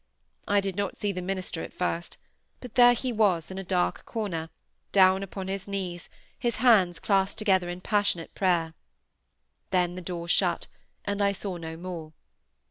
I did not see the minister at first, but there he was in a dark corner, down upon his knees, his hands clasped together in passionate prayer. Then the door shut, and I saw no more.